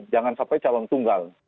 jangan sampai calon tunggal